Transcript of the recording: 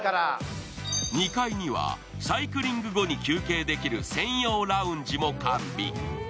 ２階にはサイクリング後に休憩できる専用のラウンジも完備。